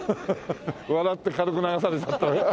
笑って軽く流されちゃった。